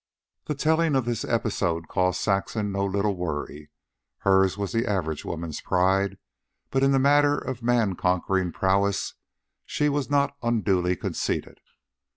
The telling of this episode caused Saxon no little worry. Hers was the average woman's pride, but in the matter of man conquering prowess she was not unduly conceited.